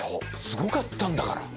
すごかったんだから。